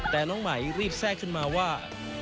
แต่น้องใหม่รีบแทรกขึ้นมาว่า